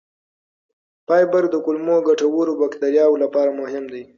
فایبر د کولمو ګټورو بکتریاوو لپاره مهم دی.